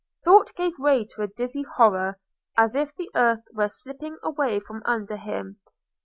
Thought gave way to a dizzy horror, as if the earth were slipping away from under him.